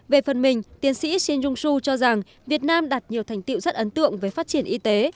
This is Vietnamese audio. về phần mình tiến sĩ shinjong su cho rằng việt nam đạt nhiều thành tiệu rất ấn tượng với phát triển y tế